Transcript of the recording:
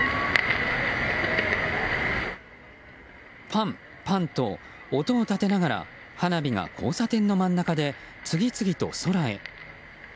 パンパンと音を立てながら花火が、交差点の真ん中で次々と空へ。